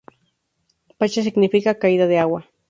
Paccha significa "caída de agua".